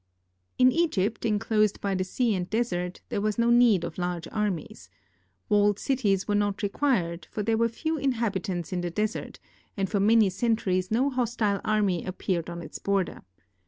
In Eg3'^pt, enclosed by the sea and desert, there was no need of large armies. Walled cities were not required, for there were few inhabitants in the desert, and for man}' centuries no hostile army appeared on its border.